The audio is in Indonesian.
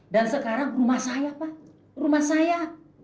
dan sekarang rumah saya pak rumah saya